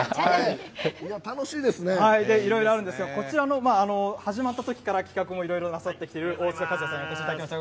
いろいろあるんですけど、こちらの始まったときから企画もいろいろなさってきている、大塚克也さんにお越しいただきました。